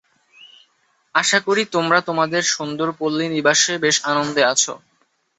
আশা করি, তোমরা তোমাদের সুন্দর পল্লীনিবাসে বেশ আনন্দে আছ।